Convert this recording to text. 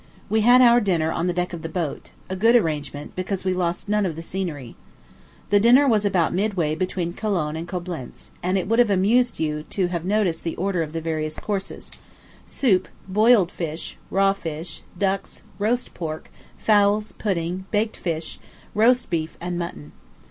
We had our dinner on the deck of the boat a good arrangement, because we lost none of the scenery. This dinner was about midway between Cologne and Coblentz; and it would have amused you to have noticed the order of the various courses soup, boiled beef, raw fish, ducks, roast pork, fowls, pudding, baked fish, roast beef, and mutton.